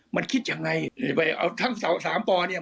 มันคิดยังไงเอาทั้ง๓ปอเนี่ย